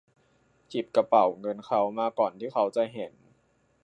หยิบกระเป๋าเงินเขามาก่อนที่เค้าจะเห็น